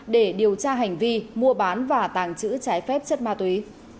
để điều tra hành vi mua bán và tàng trữ trái phép chất ma túy